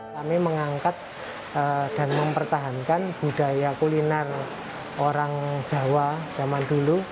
kami mengangkat dan mempertahankan budaya kuliner orang jawa zaman dulu